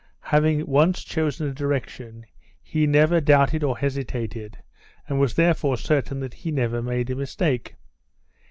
Having once chosen a direction, he never doubted or hesitated, and was therefore certain that he never made a mistake.